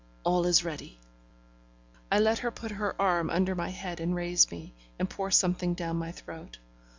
All is ready.' I let her put her arm under my head and raise me, and pour something down my throat.